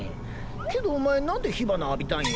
けどお前何で火花浴びたんよ？